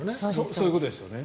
そういうことですよね。